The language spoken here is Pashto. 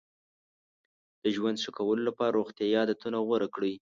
د ژوند ښه کولو لپاره روغتیایي عادتونه غوره کړئ.